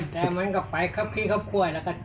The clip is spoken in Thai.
แต่มันกล่าวไปคับคี่คับขวยแล้วกานคุ้น